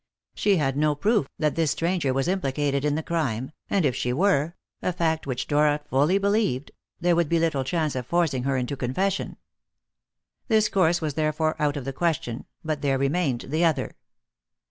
She had no proof that this stranger was implicated in the crime, and if she were a fact which Dora fully believed there would be little chance of forcing her into confession. This course was therefore out of the question, but there remained the other.